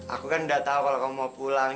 aku kan udah tau kalo kamu mau pulang